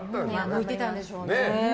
向いてたんでしょうね。